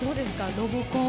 ロボコン。